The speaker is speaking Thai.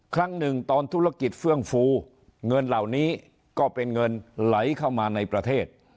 ครั้งหนึ่งตอนธุรกิจเฟื่องฟูเงินเหล่านี้ก็เป็นเงินไหลเข้ามาในประเทศ